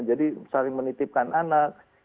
jadi saling menitipkan anak